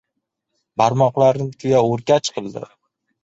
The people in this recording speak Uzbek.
Barmoqlarini tuya o‘rkach qildi.